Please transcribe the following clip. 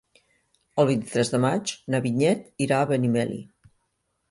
El vint-i-tres de maig na Vinyet irà a Benimeli.